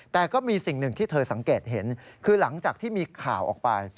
แต่ก็มีสิ่งหนึ่งที่เธอสังเกตเห็นคือหลังจากที่มีข่าวออกไป